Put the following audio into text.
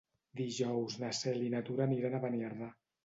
Dijous na Cel i na Tura aniran a Beniardà.